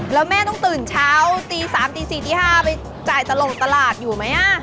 แล้วแม่ต้องตื่นเช้าตี๓ตี๔ตี๕ไปจ่ายตลกตลาดอยู่ไหม